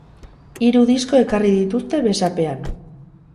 Hiru disko ekarri dituzte besapean.